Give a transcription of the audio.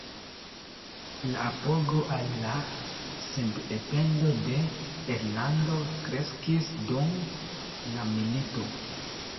La apogo al la sendependo de Irlando kreskis dum la milito.